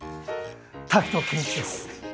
滝藤賢一です。